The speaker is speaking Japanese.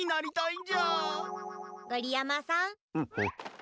ん？